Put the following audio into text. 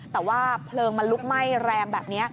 แต่ว่าเพลิงมันลุกไหม้แรงแบบนี้